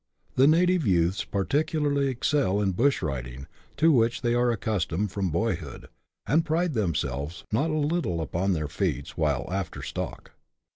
The native youths particularly excel in bush riding, to which they are accustomed from boyhood, and pride themselves not a little upon their feats while " after stock."